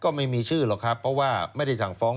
ก็ไม่มีชื่อหรอกครับเพราะว่าไม่ได้สั่งฟ้อง